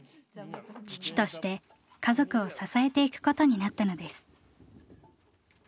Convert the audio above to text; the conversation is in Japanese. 父として家族を支えていくことになったのです。